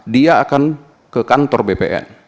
dia akan ke kantor bpn